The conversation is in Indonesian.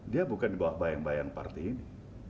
dia bukan di bawah bayang bayang partai ini